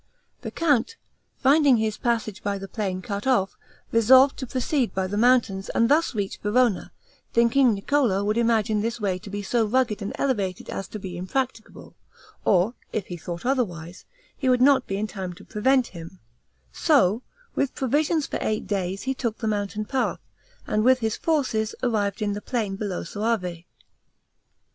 The count, finding his passage by the plain cut off, resolved to proceed by the mountains, and thus reach Verona, thinking Niccolo would imagine this way to be so rugged and elevated as to be impracticable, or if he thought otherwise, he would not be in time to prevent him; so, with provisions for eight days, he took the mountain path, and with his forces, arrived in the plain, below Soave.